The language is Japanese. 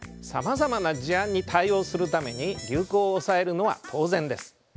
さまざまな事案に対応するために流行を押さえるのは当然です。